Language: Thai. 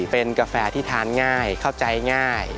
เป็นกาแฟที่ทานง่ายเข้าใจง่าย